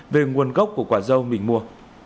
về nguồn gốc của quả dâu mình mua